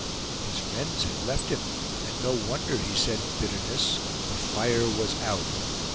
His friends had left him, and no wonder, he said in bitterness the fire was out.